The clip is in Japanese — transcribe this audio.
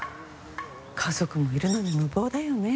家族もいるのに無謀だよね。